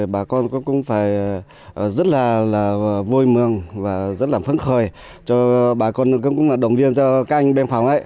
bà con cũng phải rất là vui mừng và rất là phấn khởi cho bà con cũng là động viên cho các anh biên phòng